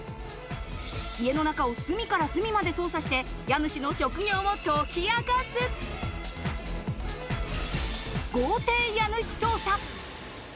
家の中を隅から隅まで捜査して家主の職業を解き明かす、豪邸家主捜査。